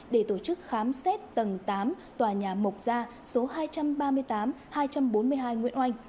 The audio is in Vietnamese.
để tổ chức khám xét tầng tám tòa nhà mộc gia số hai trăm ba mươi tám hai trăm bốn mươi hai nguyễn oanh